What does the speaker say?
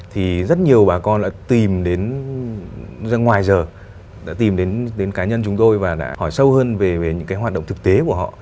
thì rất nhiều bà con đã tìm đến ra ngoài giờ đã tìm đến cá nhân chúng tôi và đã hỏi sâu hơn về những cái hoạt động thực tế của họ